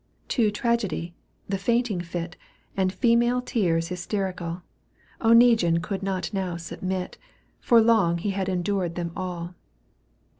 To tragedy, the fainting fit, L And female tears hysterical, Oneguine could not now submit, For long he had endured them all.